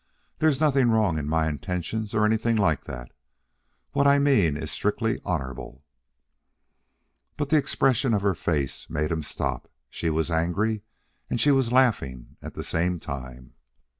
There's nothing wrong in my intentions or anything like that. What I mean is strictly honorable " But the expression of her face made him stop. She was angry, and she was laughing at the same time.